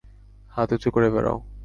হাত উচু করে বাড়াও।